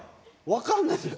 分かんないです。